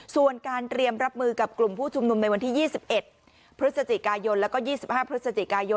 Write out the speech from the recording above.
ส่วนการเตรียมรับมือกับกลุ่มผู้ชุมนุมในวันที่๒๑พยและ๒๕พย